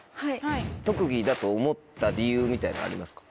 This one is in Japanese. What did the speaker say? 特技だと思った理由みたいなのありますか？